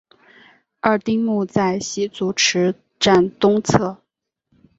二丁目在洗足池站东侧。